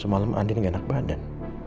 semalam andin nggak enak badan